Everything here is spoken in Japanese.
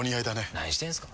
何してんすか。